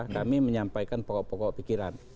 kami menyampaikan pokok pokok pikiran